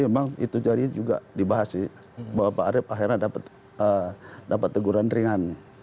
memang itu jadi juga dibahas sih bahwa pak arief akhirnya dapat teguran ringan